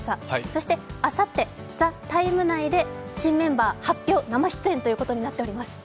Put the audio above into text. そしてあさって「ＴＨＥＴＩＭＥ，」内で新メンバー決定、生出演ということになっております。